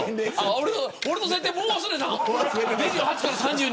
俺の設定もう忘れたの。